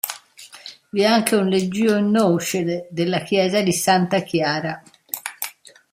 Vi è anche un leggio in noce della chiesa di Santa Chiara.